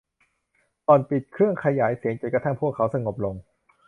หล่อนปิดเครื่องขยายเสียงจนกระทั่งพวกเขาสงบลง